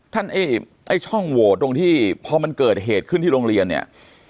ไอ้ไอ้ช่องโหวตตรงที่พอมันเกิดเหตุขึ้นที่โรงเรียนเนี่ย